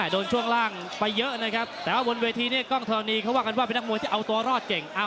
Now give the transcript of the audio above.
ช่วงล่างไปเยอะนะครับแต่ว่าบนเวทีนี้กล้องธรณีเขาว่ากันว่าเป็นนักมวยที่เอาตัวรอดเก่ง